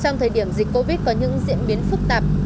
trong thời điểm dịch covid có những diễn biến phức tạp